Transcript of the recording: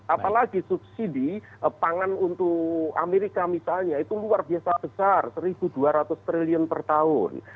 apalagi subsidi pangan untuk amerika misalnya itu luar biasa besar satu dua ratus triliun per tahun